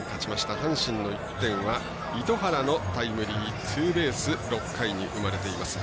阪神の１点は糸原のタイムリーツーベース６回に生まれています。